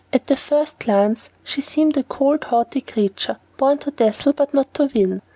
At the first glance she seemed a cold, haughty creature, born to dazzle but not to win.